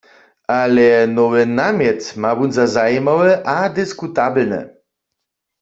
Ale nowy namjet ma wón za zajimawy a diskutabelny.